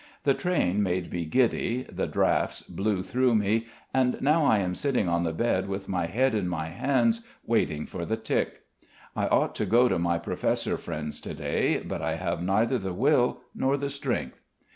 The train made me giddy, the draughts blew through me, and now I am sitting on the bed with my head in my hands waiting for the tic. I ought to go to my professor friends to day, but I have neither the will nor the strength.